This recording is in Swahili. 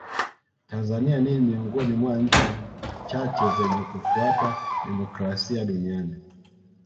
tanzania ni miongoni mwa nchi chache zenye kufuata demokrasia duniani